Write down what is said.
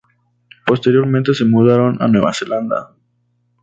Posteriormente se mudaron a Nueva Zelanda.